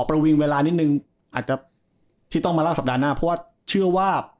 ประวิงเวลานิดหนึ่งอาจจะต้องมาราวศัทรานหน้าเพราะว่าเชื่อว่า